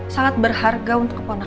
sangat berharga untuk keponakan